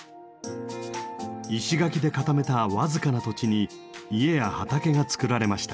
石垣で固めた僅かな土地に家や畑が作られました。